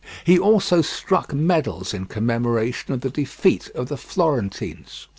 He also struck medals in commemoration of the defeat of the Florentines.